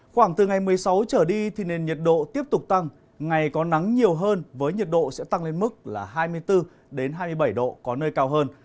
khoảng từ ngày một mươi sáu trở đi thì nền nhiệt độ tiếp tục tăng ngày có nắng nhiều hơn với nhiệt độ sẽ tăng lên mức là hai mươi bốn hai mươi bảy độ có nơi cao hơn